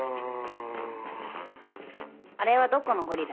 あれはどこのゴリラ？